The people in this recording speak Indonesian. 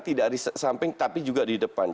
tidak di samping tapi juga di depan